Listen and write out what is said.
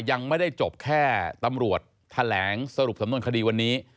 ยังไม่ได้จบแค่ตำรวจแถลงสรุปสำนวนคดีวันนี้